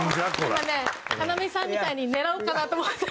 今ね要さんみたいに狙おうかなと思って。